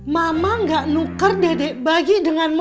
mama nggak nukar dede bagi dengan mama